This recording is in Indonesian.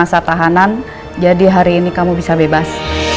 saudara mirna anda bebas